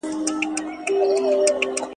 بدن مو په حرکت راولئ.